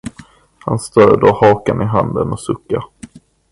Han stöder hakan i handen och suckar.